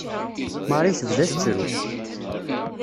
Marie tebda tettru.